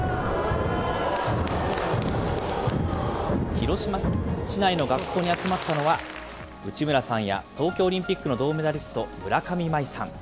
広島市内の学校に集まったのは、内村さんや東京オリンピックの銅メダリスト、村上茉愛さん。